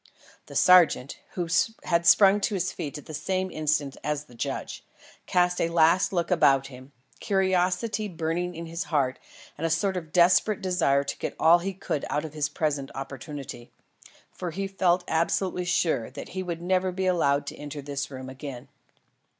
The sergeant, who had sprung to his feet at the same instant as the judge, cast a last look about him, curiosity burning in his heart and a sort of desperate desire to get all he could out of his present opportunity. For he felt absolutely sure that he would never be allowed to enter this room again.